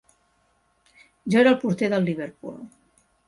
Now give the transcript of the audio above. Jo era el porter del Liverpool.